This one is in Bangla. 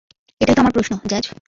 এটাইতো আমার প্রশ্ন, জ্যাজ।